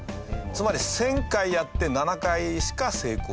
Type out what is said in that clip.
つまり１０００回やって７回しか成功しない。